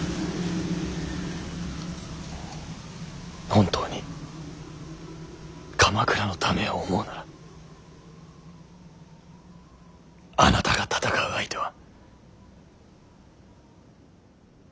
本当に鎌倉のためを思うならあなたが戦う相手は。